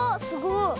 すごい。